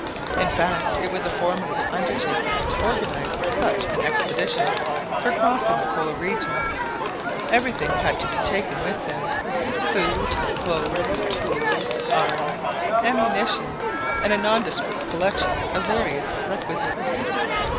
In fact, it was a formidable undertaking to organise such an expedition for crossing the Polar regions. Everything had to betaken with them food, clothes, tools, arms, ammunition, and a nondescript collection of various requisites.